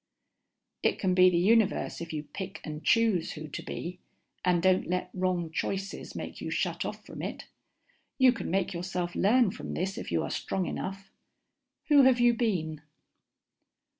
_It can be the Universe if you pick and choose who to be, and don't let wrong choices make you shut off from it. You can make yourself learn from this if you are strong enough. Who have you been?